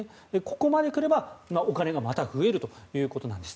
ここまで来ればお金がまた増えるということなんです。